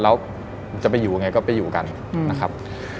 แล้วจะไปอยู่ยังไงก็ไปอยู่กันนะครับ